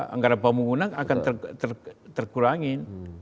anggaran pemungunan akan terkurangin